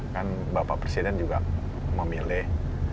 kan bapak presiden juga memilih